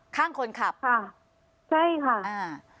ข้างคนขับค่ะใช่ค่ะอ่า